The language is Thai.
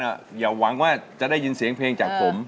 อย่าหวังว่าจะได้ยินเสียงเพลงจากผม